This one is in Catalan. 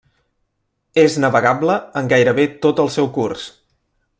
És navegable en gairebé tot el seu curs.